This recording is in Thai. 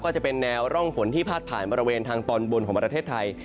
ก็จะเป็นแนวร่องฝนที่พาดผ่านบริเวณทางตอนบนของประเทศไทย